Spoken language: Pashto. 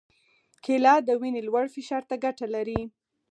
کېله د وینې لوړ فشار ته ګټه لري.